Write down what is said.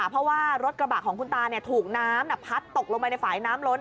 เพราะว่ารถกระบะของคุณตาถูกน้ำพัดตกลงไปในฝ่ายน้ำล้น